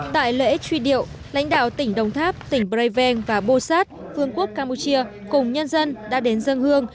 tại lễ truy điệu lãnh đạo tỉnh đồng tháp tỉnh braven và bosat phương quốc campuchia cùng nhân dân đã đến dân hương